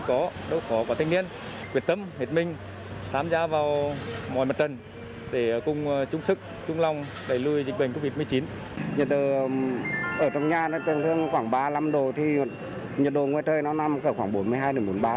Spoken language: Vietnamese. ở trong nhà tầng thương khoảng ba mươi năm độ thì nhiệt độ ngoài trời nó nằm khoảng bốn mươi hai bốn mươi ba độ thôi